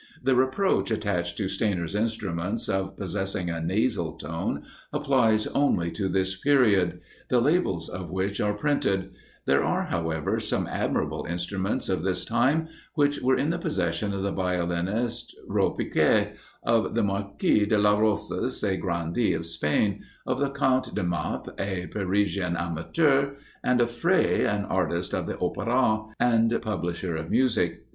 The reproach attached to Stainer's instruments of possessing a nasal tone applies only to this period, the labels of which are printed; there are, however, some admirable instruments of this time, which were in the possession of the violinist Ropiquet, of the Marquis de las Rosas, a grandee of Spain, of the Count de Marp, a Parisian amateur, and of Frey, an artist of the Opera, and publisher of music.